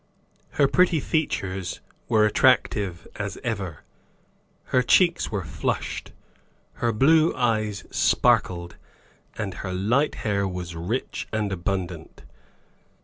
Her pretty features were attractive as ever; her cheeks were flushed; her blue eyes sparkled, and her light hair was rich and abundant.